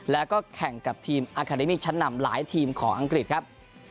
แล้วก็แข่งกับทีมอาคาเดมี่ชั้นนำหลายทีมของอังกฤษครับ